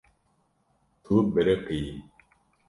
Tu biriqiyî.